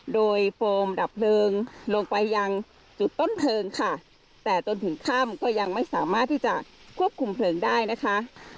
โดยโฟมดับเพลิงลงไปยังจุดต้นเพลิงค่ะแต่จนถึงค่ำก็ยังไม่สามารถที่จะควบคุมเพลิงได้นะคะ